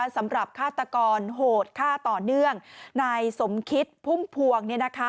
สำหรับฆาตกรโหดฆ่าต่อเนื่องนายสมคิตพุ่งพวง